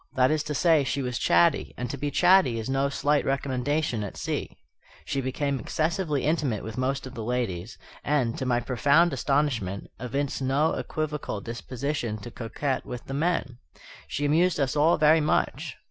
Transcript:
That is to say, she was chatty; and to be chatty is no slight recommendation at sea. She became excessively intimate with most of the ladies; and, to my profound astonishment, evinced no equivocal disposition to coquet with the men. She amused us all very much.